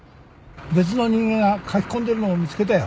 別の人間が書き込んでるのを見つけたよ。